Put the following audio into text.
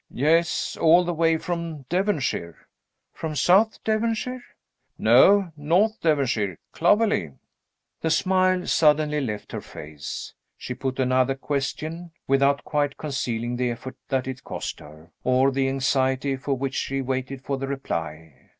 "Yes all the way from Devonshire." "From South Devonshire?" "No. North Devonshire Clovelly." The smile suddenly left her face. She put another question without quite concealing the effort that it cost her, or the anxiety with which she waited for the reply.